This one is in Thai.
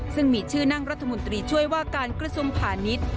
ซึ่งมีชื่อนั่งรัฐมนตรีช่วยว่าการกระทรวงพาณิชย์